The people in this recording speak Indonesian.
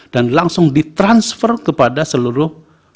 dan langsung ditransfer kepada seluruh penerbitan